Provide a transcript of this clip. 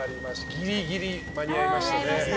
ギリギリ間に合いましたね。